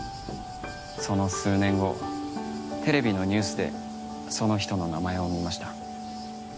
その数年後テレビのニュースでその人の名前を見ました。